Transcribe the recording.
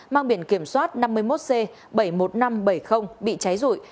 mang biển kiểm soát năm mươi một c bảy mươi một nghìn năm trăm bảy mươi bị cháy rụi